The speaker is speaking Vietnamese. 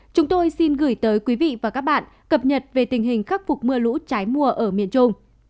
chúng tôi xin gửi tới quý vị và các bạn cập nhật về tình hình khắc phục mưa lũ trái mùa ở miền trung